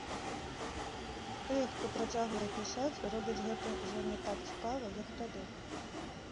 Тыя, хто працягвае пісаць, робяць гэта ўжо не так цікава, як тады.